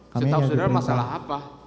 saya tau saudara masalah apa